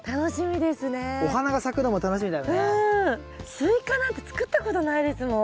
スイカなんて作ったことないですもん。